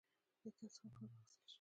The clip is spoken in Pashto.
احتیاط څخه کار واخیستل شي.